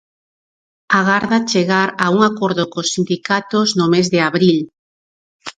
Agarda chegar a un acordo cos sindicatos no mes de abril.